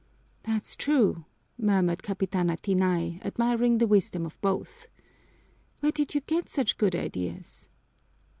"That's true!" murmured Capitana Tinay, admiring the wisdom of both. "Where did you get such good ideas?"